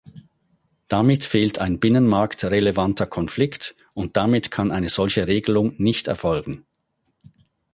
Damit fehlt ein binnenmarktrelevanter Konflikt, und damit kann eine solche Regelung nicht erfolgen.